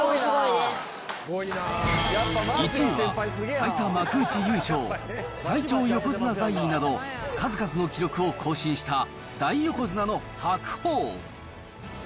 １位は、最多幕内優勝、最長横綱在位など、数々の記録を更新した大横綱の白鵬。